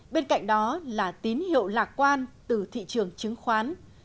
bên cạnh đó là tín hiệu lạc quan từ thị trường chứng khoán